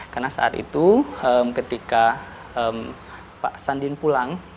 karena saat itu ketika pak hasan din pulang